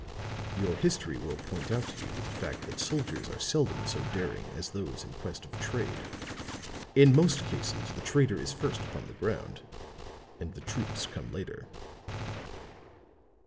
"Your history will point out to you the fact that soldiers are seldom so daring as those in quest of trade. In most cases the trader is first upon the ground; and the troops come later."